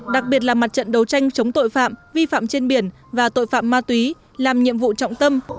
đặc biệt là mặt trận đấu tranh chống tội phạm vi phạm trên biển và tội phạm ma túy làm nhiệm vụ trọng tâm